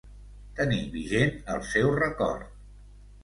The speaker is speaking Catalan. Tenir vigent el seu record.